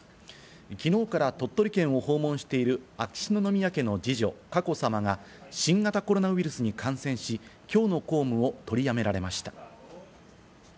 きのうから鳥取県を訪問している秋篠宮家の二女・佳子さまが新型コロナウイルスに感染し、きょうの公務を取りやめられました。